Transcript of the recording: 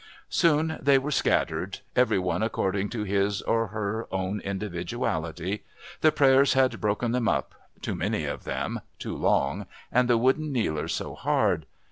Soon they were scattered every one according to his or her own individuality the prayers had broken them up, too many of them, too long, and the wooden kneelers so hard.